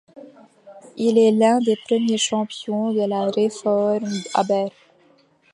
Il est l'un des premiers champions de la Réforme à Berne.